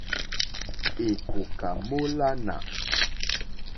Èkòká mólánà.